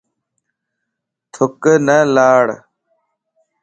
ٿُک نه لاڻ